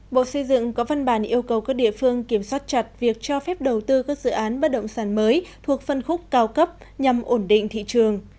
bộ xây dựng có văn bản yêu cầu các địa phương kiểm soát chặt việc cho phép đầu tư các dự án bất động sản mới thuộc phân khúc cao cấp nhằm ổn định thị trường